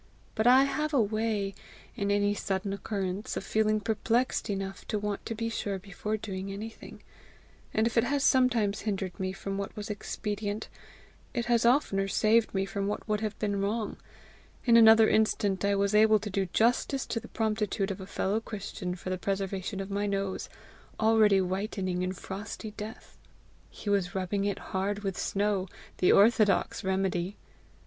But I have a way, in any sudden occurrence, of feeling perplexed enough to want to be sure before doing anything, and if it has sometimes hindered me from what was expedient, it has oftener saved me from what would have been wrong: in another instant I was able to do justice to the promptitude of a fellow Christian for the preservation of my nose, already whitening in frosty death: he was rubbing it hard with snow, the orthodox remedy!